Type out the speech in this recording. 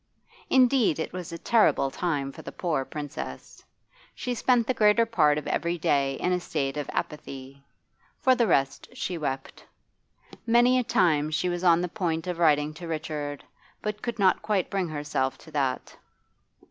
Indeed it was a terrible time for the poor Princess. She spent the greater part of every day in a state of apathy; for the rest she wept. Many a time she was on the point of writing to Richard, but could not quite bring herself to that.